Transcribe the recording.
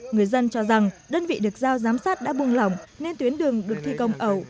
người dân cho rằng đơn vị được giao giám sát đã bung lỏng nên tuyến đường được thi công ẩu